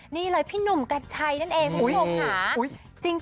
นี่เลยพี่หนุ่มกัญชัยนั่นเองคุณผู้ชมค่ะ